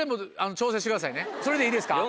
それでいいですか？